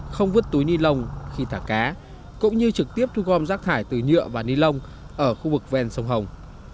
không vứt túi ni lông khi thả cá cũng như trực tiếp thu gom rác thải từ nhựa và ni lông ở khu vực ven sông hồng